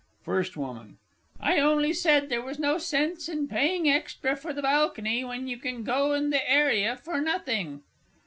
FIRST WOMAN. I only said there was no sense in paying extra for the balcony, when you can go in the area for nothing.